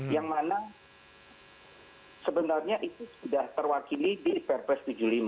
yang mana sebenarnya itu sudah terwakili di perpres tujuh puluh lima